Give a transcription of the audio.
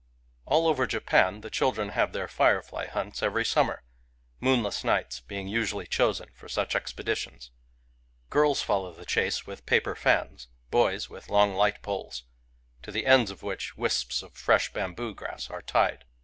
All over Japan, the children have their firefly hunts every summer; — moonless nights be ing usually chosen for such expeditions. Girls follow the chase with paper fans ; boys, with long light poles, to the ends of which wisps of fresh bamboo grass arc tied.